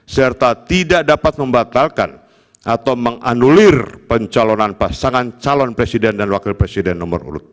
serta tidak dapat membatalkan atau menganulir pencalonan pasangan calon presiden dan wakil presiden nomor urut dua